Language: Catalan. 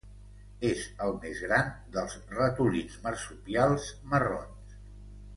És el més gran dels ratolins marsupials marrons.